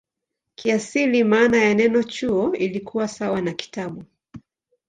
Kiasili maana ya neno "chuo" ilikuwa sawa na "kitabu".